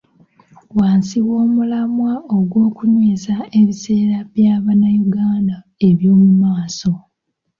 Wansi w'omulamwa ogw'okunyweza ebiseera bya Bannayuganda eby'omu maaso.